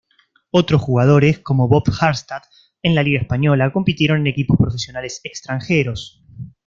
Otros jugadores, como Bob Harstad en la liga española, compitieron en equipos profesionales extranjeros.